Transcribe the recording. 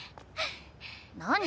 何？